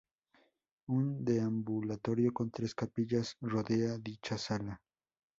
Un deambulatorio con tres capillas rodea dicha sala.